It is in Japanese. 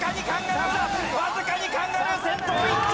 わずかにカンガルー先頭１着！